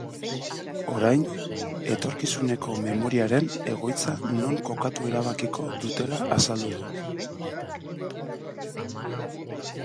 Orain, etorkizuneko memoriaren egoitza non kokatu erabakiko dutela azaldu du.